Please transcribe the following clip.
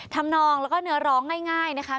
นองแล้วก็เนื้อร้องง่ายนะคะ